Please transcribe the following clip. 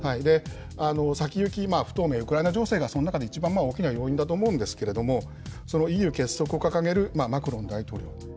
先行き不透明、ウクライナ情勢がその中で、一番大きな要因だと思うんですけれども、そのＥＵ結束を掲げるマクロン大統領。